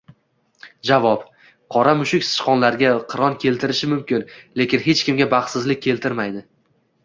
Javob: Qora mushuk sichqonlarga qiron keltirishi mumkin, lekin hech kimga baxtsizlik keltirmaydi.